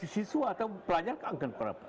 siswa atau pelajar akan berapa